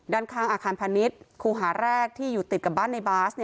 ด้านข้างอาคารพาณิชย์ครูหาแรกที่อยู่ติดกับบ้านในบาส